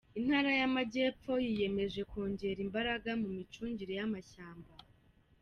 Intara y’Amajyepfo yiyemeje kongera imbaraga mu micungire y’Amashyamba